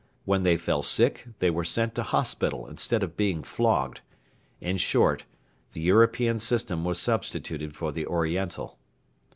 When they fell sick, they were sent to hospital instead of being flogged. In short, the European system was substituted for the Oriental.